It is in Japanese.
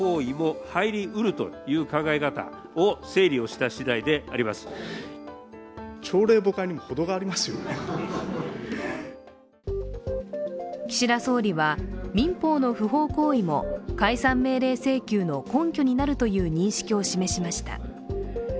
しかし今日、改めて問われると岸田総理は民法の不法行為も解散命令請求の根拠になるという認識を示しました。